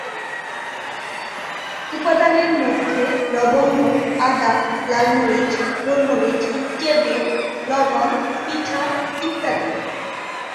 উপাদানের মধ্যে লবঙ্গ, আদা, লাল মরিচ, গোলমরিচ, টেবিল, লবণ, পিঠা ইত্যাদি।